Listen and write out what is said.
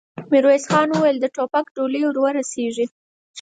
ميرويس خان وويل: د ټوپک ډولۍ ور رسېږي؟